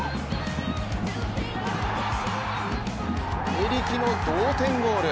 エリキの同点ゴール。